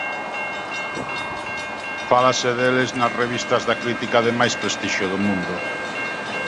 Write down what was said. Fálase deles nas revistas da crítica de máis prestixio do mundo.